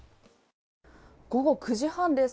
午後９時半です。